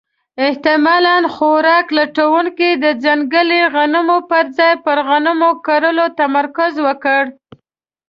احتمالاً خوراک لټونکو د ځنګلي غنمو پر ځای پر غنمو کرلو تمرکز وکړ.